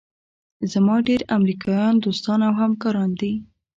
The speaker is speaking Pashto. زما ډېر امریکایان دوستان او همکاران دي.